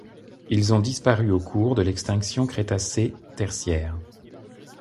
Ils ont disparu au cours de l'extinction Crétacé-Tertiaire.